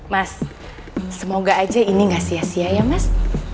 mas semoga aja ini gak sia sia ya mas